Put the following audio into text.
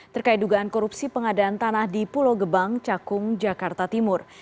terkait dugaan korupsi pengadaan tanah di pulau gebang cakung jakarta timur